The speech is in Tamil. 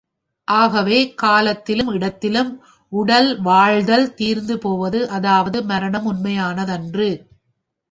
ஆகவே, காலத்திலும் இடத்திலும் உடல் வாழ்தல் தீர்ந்துபோவது, அதாவது மரணம் உண்மையானதன்று.